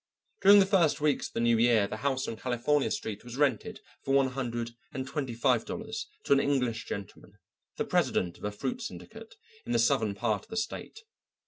During the first weeks of the new year the house on California Street was rented for one hundred and twenty five dollars to an English gentleman, the president of a fruit syndicate in the southern part of the state.